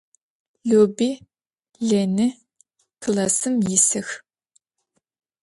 Lübi Lêni klassım yisıx.